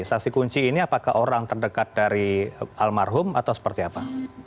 saksi kunci ini apakah orang terdekat dari almarhum atau seperti apa